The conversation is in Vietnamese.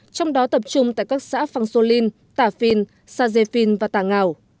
trong đó tập trung tại các xã phàng xô linh tà phiên sa dê phiên và tà ngào